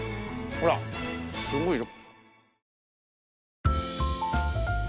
ほらすごいよ。